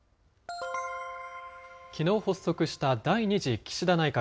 きのう発足した第２次岸田内閣。